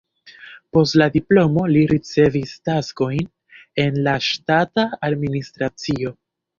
Post la diplomo li ricevis taskojn en la ŝtata administracio.